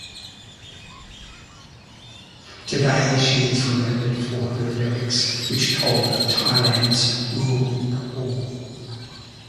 Today she is remembered for her lyrics, which told of Thailand's rural poor.